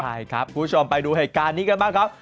ใช่ครับคุณผู้ชมไปดูเหตุการณ์นี้กันบ้างครับ